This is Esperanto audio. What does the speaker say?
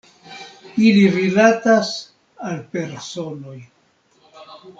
Ili rilatas al personoj.